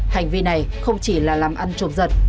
hành vi này không chỉ là làm ăn trộm giật